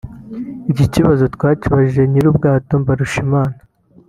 Iki kibazo twakibajije nyir’ubwato Mbarushimana